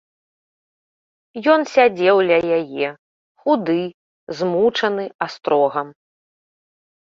Ён сядзеў ля яе, худы, змучаны астрогам.